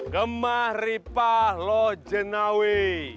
gemah ripah lo jenawi